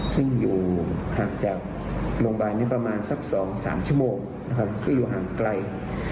ซึ่งอยู่ห่างจากโรงพยาบาลนี้ประมาณสัก๒๓ชั่วโมงนะครับคืออยู่ห่างไกล